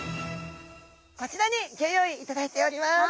こちらにギョ用意いただいております！